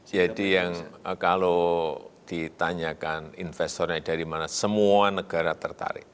jadi yang kalau ditanyakan investornya dari mana semua negara tertarik